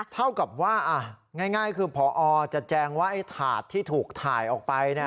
เท่ากับว่าง่ายคือพอจะแจงว่าไอ้ถาดที่ถูกถ่ายออกไป